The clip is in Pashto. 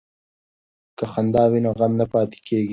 که خندا وي نو غم نه پاتې کیږي.